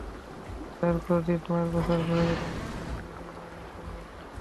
তারপর দিন, মাস, বছর ঘুরে যেতে মেয়েটি হানা দিতে শুরু করে সংগোপনে।